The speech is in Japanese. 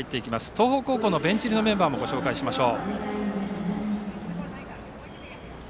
東北高校のベンチ入りのメンバーをご紹介します。